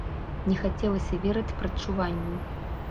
Не хацелася верыць прадчуванню.